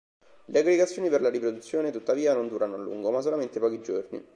Le aggregazioni per la riproduzione tuttavia non durano a lungo, ma solamente pochi giorni.